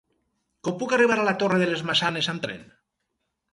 Com puc arribar a la Torre de les Maçanes amb tren?